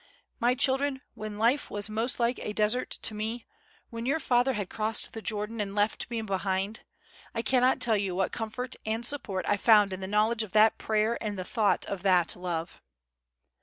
My children, when life was most like a desert to me, when your father had crossed the Jordan and left me behind, I cannot tell you what comfort and support I found in the knowledge of that prayer and the thought of that love!"